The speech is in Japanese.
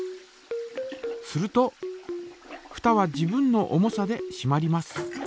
するとふたは自分の重さでしまります。